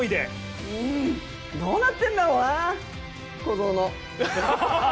どうなってるんだろうな、小園。